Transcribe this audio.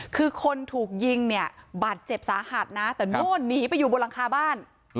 คือคนถูกยิงเนี่ยบาดเจ็บสาหัสนะแต่โน่นหนีไปอยู่บนหลังคาบ้าน